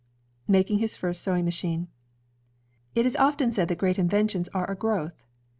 Making His First Sewing Machine It is often said that great inventions are a growth.